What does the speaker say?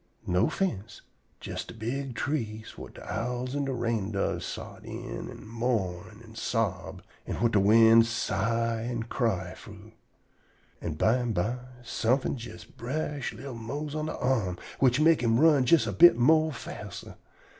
No fince; jes de big trees whut de owls an' de rain doves sot in an' mourn an' sob, an' whut de wind sigh an' cry frough. An' bimeby somefin' jes brush li'l Mose on de arm, which mek him run jest a bit more faster.